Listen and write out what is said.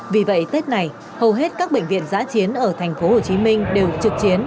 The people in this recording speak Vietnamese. vì vậy tết này hầu hết các bệnh viện giã chiến ở tp hcm đều trực chiến